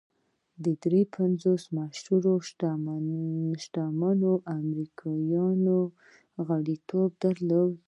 درې پنځوس مشهورو شتمنو امریکایانو یې غړیتوب درلود